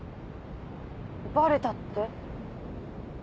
バレたって？